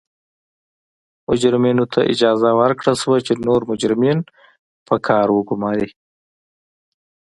مجرمینو ته اجازه ورکړل شوه چې نور مجرمین پر کار وګوماري.